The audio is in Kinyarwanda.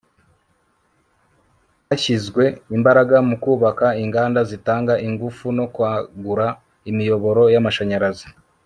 hashyizwe imbaraga mu kubaka inganda zitanga ingufu no kwagura imiyoboro y' amashanyarazi